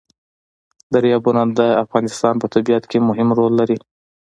دریابونه د افغانستان په طبیعت کې مهم رول لري.